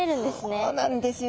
そうなんですよ。